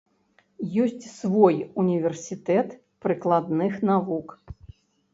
Ёсць свой універсітэт прыкладных навук.